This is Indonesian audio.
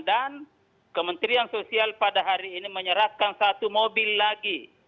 dan kementerian sosial pada hari ini menyerahkan satu mobil lagi